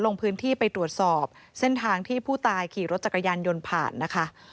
ลงพื้นที่ไปตรวจสอบเส้นทางที่ผู้ตายขี่รถจักรยานยนต์ผ่านนะคะ